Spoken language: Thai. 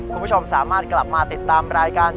คุณผู้ชมสามารถกลับมาติดตามรายการ